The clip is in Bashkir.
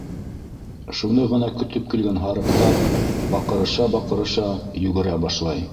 Шуны ғына көтөп килгән һарыҡтар, баҡырыша-баҡырыша, йүгерә башлай.